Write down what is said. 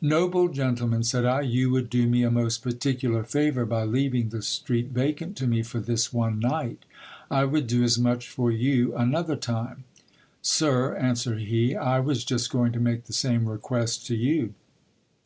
Noble gentleman, said I, you would do me a most particular favour by leaving the street vacant to me for this one night ; I would do as much for you another time. Sir, answered he, I was just going to make the same request to you.